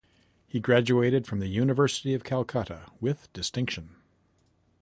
He graduated from the University of Calcutta with distinction.